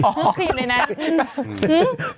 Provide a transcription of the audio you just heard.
ถูกคลิปในนั้น